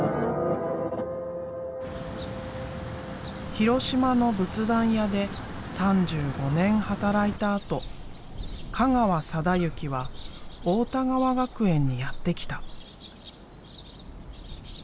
広島の仏壇屋で３５年働いたあと香川定之は太田川学園にやって来た。